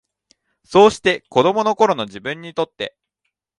そうして、子供の頃の自分にとって、